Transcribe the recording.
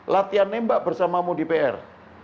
latihan nembak bersamamu di pr